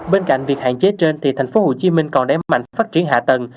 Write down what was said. bên cạnh việc hạn chế trên tp hcm còn để mạnh phát triển hạ tầng